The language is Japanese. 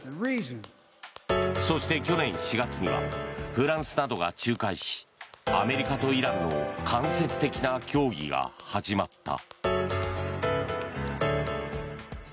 そして、去年４月にはフランスなどが仲介しアメリカとイランの間接的な協議が始まった。